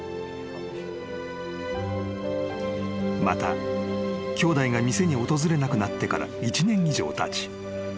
［また兄弟が店に訪れなくなってから１年以上たち］